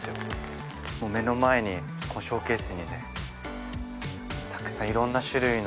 もう目の前にショーケースにねたくさんいろんな種類の。